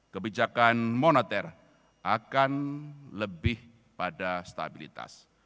kebijakan moneter akan lebih pada stabilitas